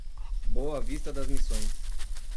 Boa Vista das Missões